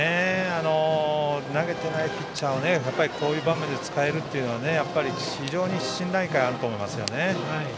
投げてないピッチャーをこういう場面で使えるというのは非常に信頼感があると思いますね。